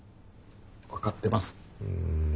分かってます。